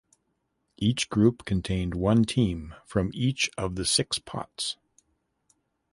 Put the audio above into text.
Each group contained one team from each of the six pots.